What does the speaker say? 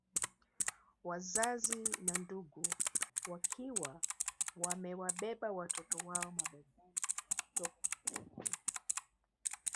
Wazazi na ndugu wakiwa wamewabeba watoto wao mabegani wakitoka kanisani